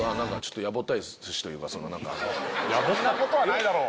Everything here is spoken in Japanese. そんなことはないだろう